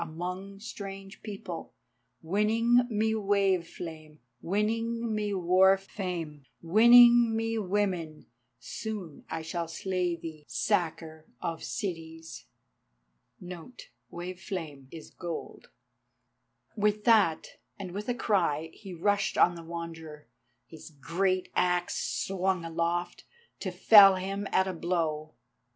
Among strange peoples, Winning me wave flame,[*] Winning me war fame, Winning me women. Soon shall I slay thee, Sacker of Cities!" [*] Gold. With that, and with a cry, he rushed on the Wanderer, his great axe swung aloft, to fell him at a blow.